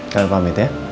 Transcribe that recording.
kalian pamit ya